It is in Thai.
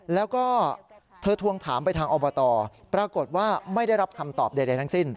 แล้วก็เธอทวงถามไปทางอบตปรากฏว่าไม่ได้รับคำตอบใดทั้งสิ้น